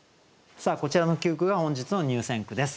こちらの９句が本日の入選句です。